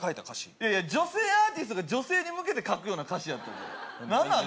いやいや女性アーティストが女性に向けて書くような歌詞やった何なん？